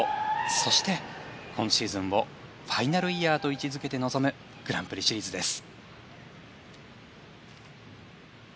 そして、今シーズンをファイナルイヤーと位置付けて臨むグランプリシリーズです。